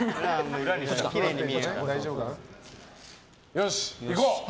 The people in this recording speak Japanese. よし、いこう！